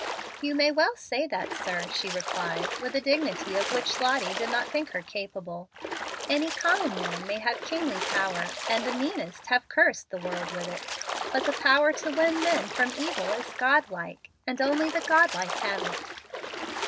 "You may well say that, sir," she replied, with a dignity of which Lottie did not think her capable. "Any common man may have kingly power, and the meanest have cursed the world with it. But the power to win men from evil is godlike, and only the godlike have it."